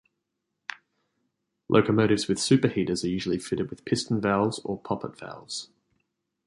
Locomotives with superheaters are usually fitted with piston valves or poppet valves.